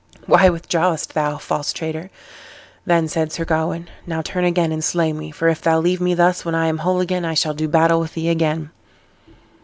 "Why withdrawest thou, false traitor?" then said Sir Gawain; "now turn again and slay me, for if thou leave me thus when I am whole again, I shall do battle with thee again."